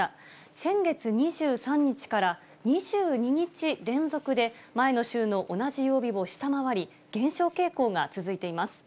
先月２３日から２２日連続で、前の週の同じ曜日を下回り、減少傾向が続いています。